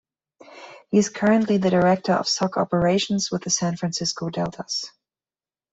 He is currently the Director of Soccer Operations with the San Francisco Deltas.